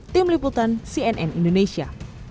tim liputan cnn indonesia